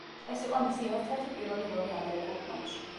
ეს იყო მისი ერთ-ერთი პირველი როლი ამერიკულ ფილმში.